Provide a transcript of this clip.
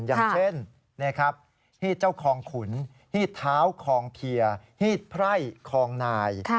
อย่างเช่นฮีดเจ้าคองขุนฮีดเท้าคองเพียฮีดไพร่คองนาย